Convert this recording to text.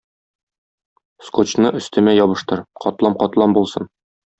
Скотчны өстемә ябыштыр, катлам-катлам булсын.